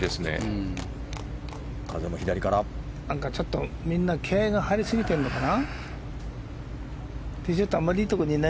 ちょっと、みんな気合が入りすぎてるのかな。